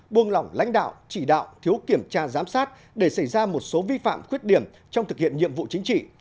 buông lỏng lãnh đạo chỉ đạo thiếu kiểm tra giám sát để xảy ra một số vi phạm khuyết điểm trong thực hiện nhiệm vụ chính trị